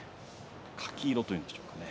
柿色というんでしょうか。